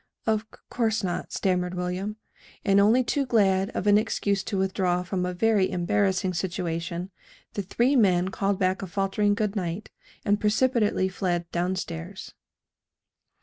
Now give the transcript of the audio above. "Of c course not," stammered William. And only too glad of an excuse to withdraw from a very embarrassing situation, the three men called back a faltering good night, and precipitately fled down stairs.